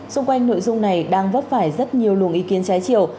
xung quanh nội dung này đang vấp phải rất nhiều luồng ý kiến trái chiều